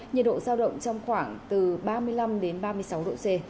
nhiệt độ giao động trong khoảng từ ba mươi năm đến ba mươi sáu độ c